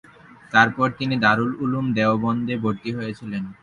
তারপরে তিনি দারুল উলূম দেওবন্দে ভর্তি হয়েছিলেন।